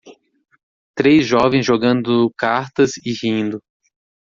Três jovens jogando cartas e rindo.